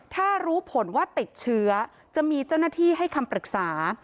ถ้ารู้ผลว่าติดเชื้อจะมีเจ้าหน้าที่ให้คำปรึกษา